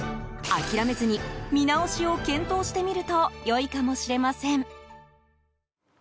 諦めずに見直しを検討してみると良いかもしれません。